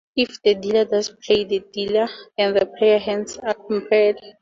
If the dealer does play, the dealer and player hands are compared.